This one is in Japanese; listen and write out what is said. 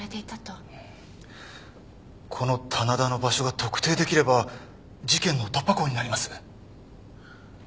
この棚田の場所が特定できれば事件の突破口になります。